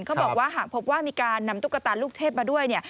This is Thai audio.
เขาบอกว่าหากพบว่ามีการนำตุ๊กตาลูกเทพมาด้วยเนี่ย